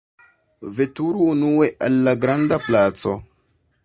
Veturu unue al la granda placo!